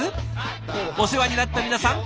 お世話になった皆さん